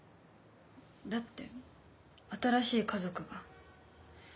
だって新しい家族が。